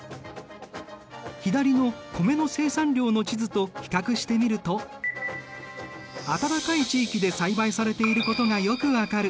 左の米の生産量の地図と比較してみると暖かい地域で栽培されていることがよく分かる。